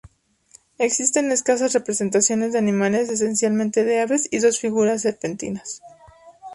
Existen escasas representaciones de animales esencialmente de aves y dos figuras serpentinas.